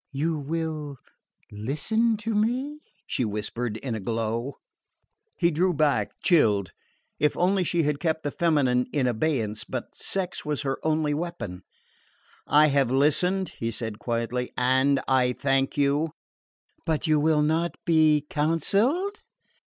"You will listen to me?" she whispered in a glow. He drew back chilled. If only she had kept the feminine in abeyance! But sex was her only weapon. "I have listened," he said quietly. "And I thank you." "But you will not be counselled?"